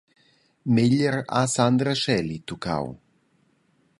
Meglier ha Sandra Schäli tuccau.